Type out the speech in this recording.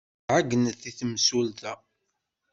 Ɛeyynent i temsulta.